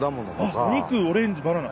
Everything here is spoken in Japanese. あっお肉オレンジバナナ。